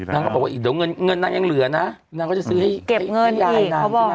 นางก็บอกว่าเดี๋ยวเงินนั้นยังเหลือนะนางก็จะซื้อให้ยายนั้นใช่ไหม